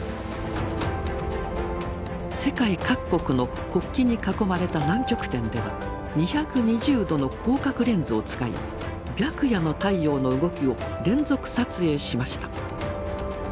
世界各国の国旗に囲まれた南極点では２２０度の広角レンズを使い白夜の太陽の動きを連続撮影しました。